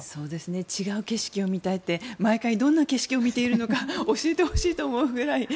違う景色を見たいって毎回、どんな景色を見ているのか教えてほしいと思うぐらい。